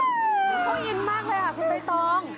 เขาอินมากเลยค่ะคุณใบตอง